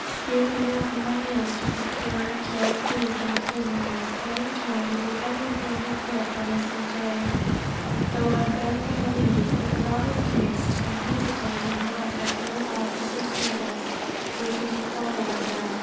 He would walk miles to procure and carry food for the prisoners, then return to do everything he could for Mrs. J. Though a Bengalee, he forgot his caste, and hesitated not at any office or service which was required of him.